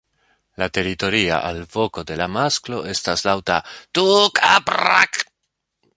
La teritoria alvoko de la masklo estas laŭta "tuuk-a-prrak".